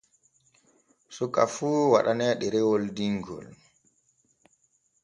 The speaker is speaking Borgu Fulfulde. Suka fun waɗaane ɗerewol dingol.